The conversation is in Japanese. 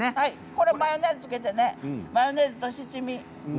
マヨネーズつけてマヨネーズと七味。